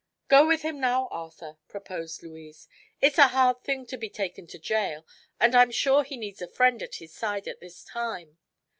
"Go with him now, Arthur," proposed Louise. "It's a hard thing to be taken to jail and I'm sure he needs a friend at his side at this time."